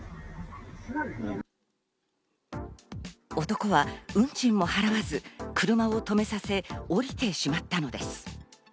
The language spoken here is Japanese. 男は運賃を払わず車を止めさせ降りてしまったのです。